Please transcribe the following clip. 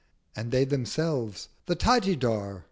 And they themselves 'The Tajidar!'